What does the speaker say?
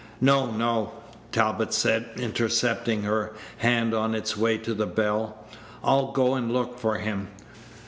"No, no," Talbot said, intercepting her hand on its way to the bell. "I'll go and look for him.